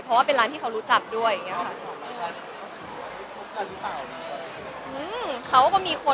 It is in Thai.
เพราะว่าเป็นร้านที่เขารู้จักด้วยอย่างนี้ค่ะ